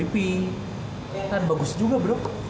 nah ini udah keliatan bagus juga bro